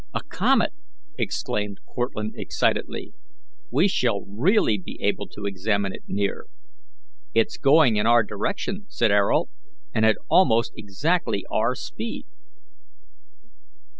"A comet!" exclaimed Cortlandt excitedly. "We shall really be able to examine it near." "It's going in our direction," said Ayrault, "and at almost exactly our speed."